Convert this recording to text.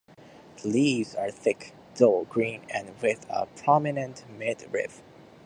The leaves are thick, dull green and with a prominent mid-rib.